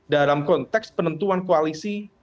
dalam konteks penentuan koalisi